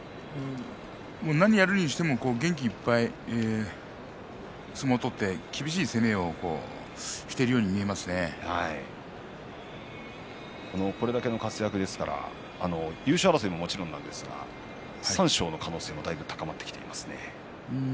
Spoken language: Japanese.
何をやるにしても元気いっぱいに相撲を取って厳しい攻めをこれだけの活躍ですから優勝争いももちろんですが三賞の可能性もだいぶ高まってきていますね。